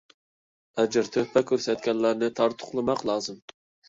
ئەجىر - تۆھپە كۆرسەتكەنلەرنى تارتۇقلىماق لازىم.